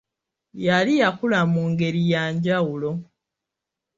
Yali yakula mu ngeri ya njawulo.